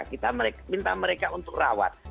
kita minta mereka untuk rawat